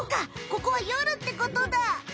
ここは夜ってことだ。